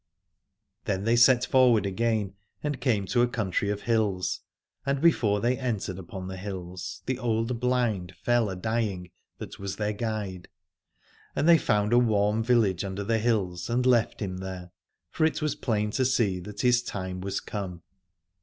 Then they set forward again, and came to a country of hills : and before they entered upon the hills the old blind fell adying that was their guide. And they found a warm village under the hills, and left him there, for it was plain to see that his time was come.